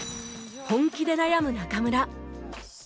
本気で悩む中村